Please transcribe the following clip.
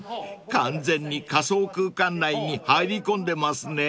完全に仮想空間内に入り込んでますね］